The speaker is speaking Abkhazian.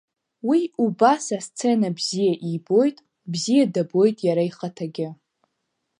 Уи убас асцена бзиа ибоит, бзиа дабоит иара ихаҭагьы.